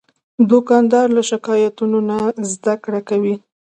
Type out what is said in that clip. دوکاندار له شکایتونو نه زدهکړه کوي.